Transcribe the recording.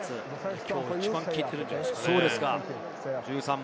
きょう一番効いているんじゃないですかね。